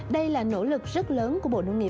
đây là nỗ lực rất lớn của bộ nông nghiệp